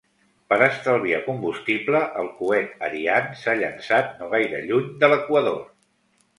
Per estalviar combustible, el coet Ariane s'ha llançat no gaire lluny de l'equador.